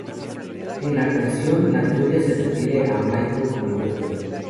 En La Canción La Toya se refiere a Michael como "Joker".